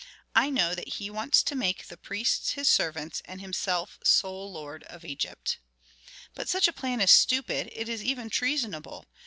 I know that he wants to make the priests his servants, and himself sole lord of Egypt. "But such a plan is stupid, it is even treasonable.